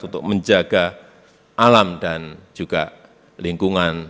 untuk menjaga alam dan juga lingkungan